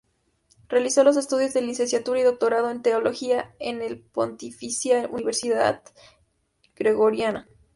Realizó los estudios de licenciatura y doctorado en Teología, en la Pontificia Universidad Gregoriana.